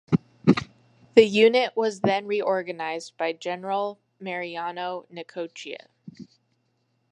The unit was then reorganized by General Mariano Necochea.